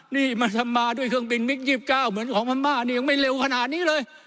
นี่มาทำมาด้วยเครื่องบินมิก๒๙เหมือนของพม่านี่ยังไม่เร็วขนาดนี้เลย